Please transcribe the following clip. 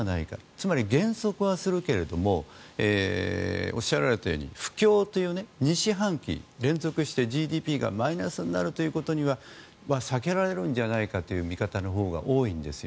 つまり、減速はするけどおっしゃられたように不況という２四半期連続してＧＤＰがマイナスになるということは避けられるんじゃないかという見方のほうが多いんですよ。